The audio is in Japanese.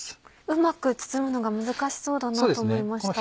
うまく包むのが難しそうだなと思いました。